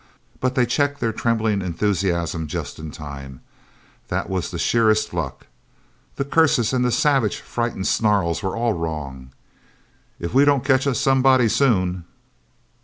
But they checked their trembling enthusiasm just in time. That was sheerest luck. The curses, and the savage, frightened snarls were all wrong. "If we don't catch us somebody, soon..."